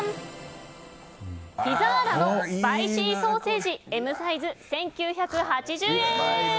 ピザーラのスパイシーソーセージＭサイズ、１９８０円！